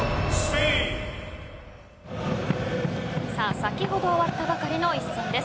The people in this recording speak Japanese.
先ほど終わったばかりの一戦です。